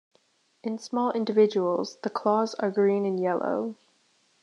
In small individuals, the claws are green and yellow.